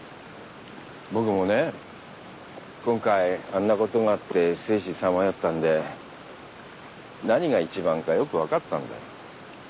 僕もね今回あんなことがあって生死さまよったんで何が一番かよく分かったんだよ。